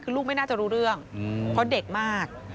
คือลูกไม่น่าจะรู้เรื่องเพราะเด็กมาก